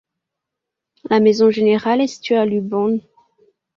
La maison générale est située à Luboń.